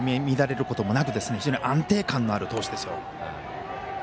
乱れることもなく非常に安定感のある投手ですよ。